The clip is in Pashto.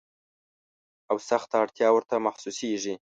او سخته اړتیا ورته محسوسیږي.